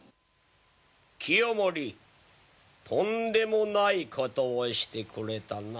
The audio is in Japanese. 清盛とんでもないことをしてくれたな。